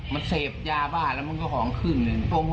มันเสพยาบ้านแล้วมันก็ของขึ้นเลย